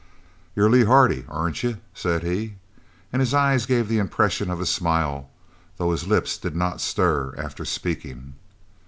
"You're Lee Hardy, aren't you?" said he, and his eyes gave the impression of a smile, though his lips did not stir after speaking.